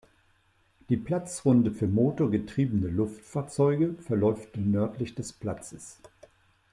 Die Platzrunde für motorgetriebene Luftfahrzeuge verläuft nördlich des Platzes.